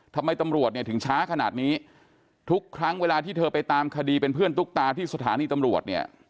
ทำไมตำรวจเนี่ยถึงช้าขนาดนี้ทุกครั้งเวลาที่เธอไปตามคดีเป็นเพื่อนตุ๊กตาที่สถานีตำรวจเนี่ย